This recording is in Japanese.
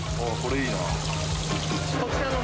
これいいな。